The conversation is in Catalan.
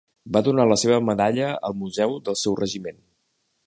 Va donar la seva medalla al museu del seu regiment.